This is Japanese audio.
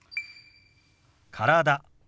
「体」。